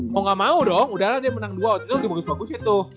mau gak mau dong udahlah dia menang dua outfield lebih bagus bagusnya tuh